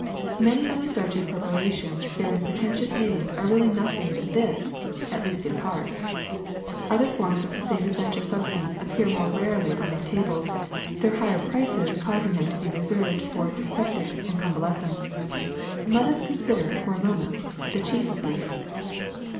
Many of the starchy prep arations bearing pretentious names are really noth ing but this, at least in part. Other forms of the same essential substance appear more rarely on our tables, their higher price causing them to be reserved for dyspeptics and convalescents. Let us consider for a moment the chief of these.